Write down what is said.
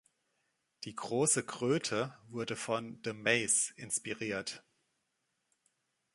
Die große Kröte wurde von „The Maze“ inspiriert.